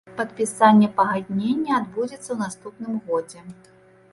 Падпісанне пагаднення адбудзецца ў наступным годзе.